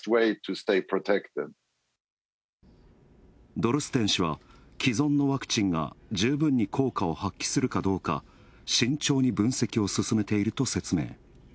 ドルステン氏は、既存のワクチンが十分に効果を発揮するかどうか慎重に分析を進めていると説明。